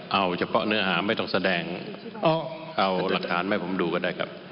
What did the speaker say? เอาเฉพาะเนื้อหาไม่ต้องแสดงเอาหลักฐานมาให้ผมดูก็ได้ครับ